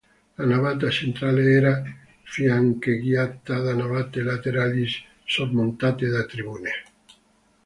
La navata centrale era fiancheggiata da navate laterali sormontate da tribune.